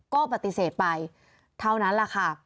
ก็ปฏิเสธไปเท่านั้นแหละค่ะ